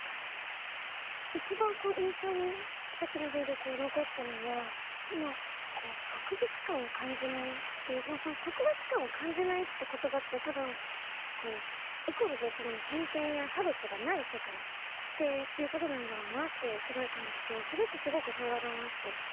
一番印象にさっきのＶで残ったのは特別感を感じないっていうその「特別感を感じない」って言葉って多分イコールで偏見や差別がない世界っていうことなんだろうなってすごい感じてそれってすごく平和だなって。